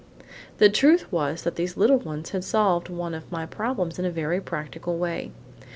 The truth was that these little ones had solved one of my problems in a very practical way.